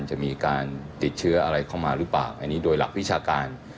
จะมีการติดเชื้ออะไรเข้ามาหรือเปล่าอันนี้โดยหลักวิชาการ